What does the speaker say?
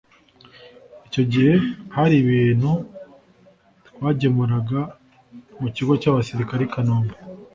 icyo gihe hari ibintu twagemuraga mu kigo cy’abasirikare i Kanombe